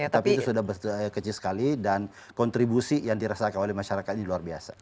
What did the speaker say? tapi itu sudah kecil sekali dan kontribusi yang dirasakan oleh masyarakat ini luar biasa